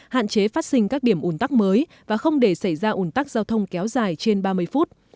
hạn chế phát sinh các điểm ủn tắc mới và không để xảy ra ủn tắc giao thông kéo dài trên ba mươi phút